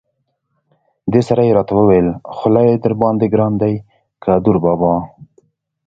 دې سره یې را ته وویل: خولي درباندې ګران دی که دوربابا.